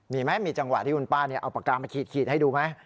มีไหมมีจังหวะที่คุณป้าเอาปากกามาขีดให้ดูไหม